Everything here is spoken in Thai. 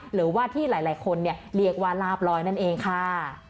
หรือว่าที่หลายคนเรียกว่าลาบลอยนั่นเองค่ะ